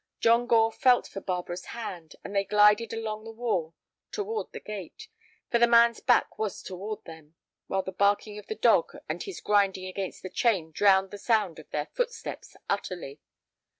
John Gore felt for Barbara's hand, and they glided along the wall toward the gate, for the man's back was toward them, while the barking of the dog and his grinding against the chain drowned the sound of their footsteps utterly.